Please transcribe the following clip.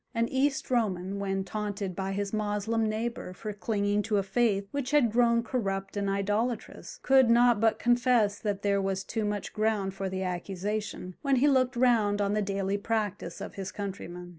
An East Roman, when taunted by his Moslem neighbour for clinging to a faith which had grown corrupt and idolatrous, could not but confess that there was too much ground for the accusation, when he looked round on the daily practice of his countrymen.